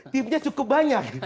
timnya cukup banyak